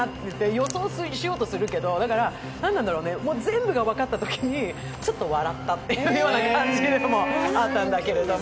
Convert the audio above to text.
予想しようとするけど、全部が分かったときにちょっと笑ったというような感じでもあったんだけれども。